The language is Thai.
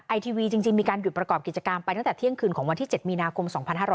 ทีวีจริงมีการหยุดประกอบกิจกรรมไปตั้งแต่เที่ยงคืนของวันที่๗มีนาคม๒๕๖๐